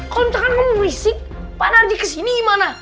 kalau misalkan kamu ngelisik pak narci kesini gimana